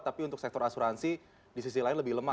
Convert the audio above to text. tapi untuk sektor asuransi disisi lain lebih lemah